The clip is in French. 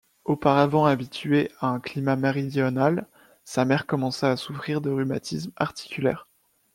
Auparavant habituée à un climat méridional, sa mère commença à souffrir de rhumatisme articulaire.